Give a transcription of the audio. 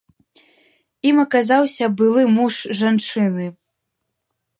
Ім аказаўся былы муж жанчыны.